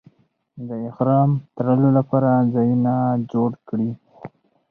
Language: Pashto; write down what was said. د احرام تړلو لپاره ځایونه جوړ کړي.